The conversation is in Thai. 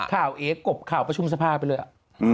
ข่าวแอเรียกกลบข่าวประชุมสภาไปเลยอ่ะ